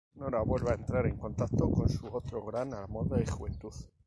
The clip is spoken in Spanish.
Nora vuelve a entrar en contacto con su otro gran amor de juventud.